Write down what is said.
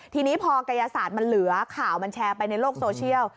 ทีนี้พอกายศาสตร์มันเหลือข่าวมันแชร์ไปในโลกโซเชียล